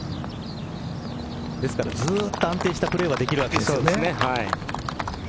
ずっと安定したプレーはできるわけですね。